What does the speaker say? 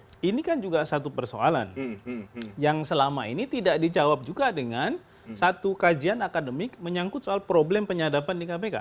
nah ini kan juga satu persoalan yang selama ini tidak dijawab juga dengan satu kajian akademik menyangkut soal problem penyadapan di kpk